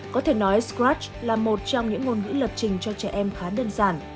có thể nói scratch là một trong những ngôn ngữ lập trình cho trẻ em khá đơn giản